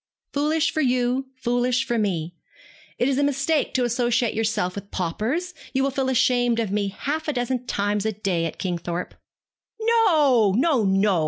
'Foolish for you, foolish for me. It is a mistake to associate yourself with paupers. You will feel ashamed of me half a dozen times a day at Kingthorpe.' 'No, no, no!'